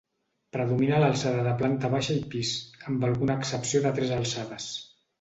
Predomina l'alçada de planta baixa i pis, amb alguna excepció de tres alçades.